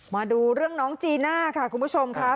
มาดูเรื่องน้องจีน่าค่ะคุณผู้ชมค่ะ